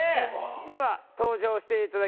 では登場していただきましょう。